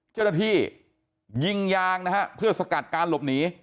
เจ้าหน้าที่ยิงยางนะฮะเพื่อสกัดการหลบหนี